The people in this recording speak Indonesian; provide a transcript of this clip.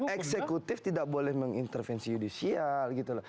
eksekutif tidak boleh mengintervensi judicial